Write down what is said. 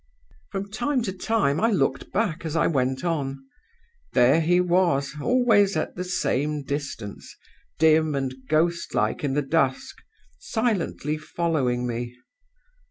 "From time to time, I looked back as I went on. There he was, always at the same distance, dim and ghost like in the dusk, silently following me.